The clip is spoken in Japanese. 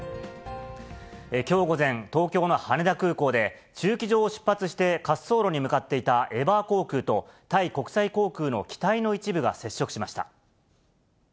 きょう午前、東京の羽田空港で、駐機場を出発して滑走路に向かっていたエバー航空とタイ国際航空の機体の一部が接触しました。